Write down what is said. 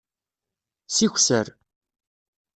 Sikser.